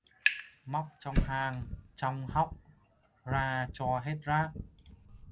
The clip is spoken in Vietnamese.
Móc trong hang trong hóc ra cho hết rác